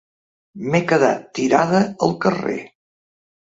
M'he quedat tirada al carrer.